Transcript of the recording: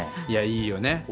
いやいいよね！